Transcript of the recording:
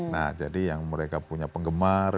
nah jadi yang mereka punya penggemar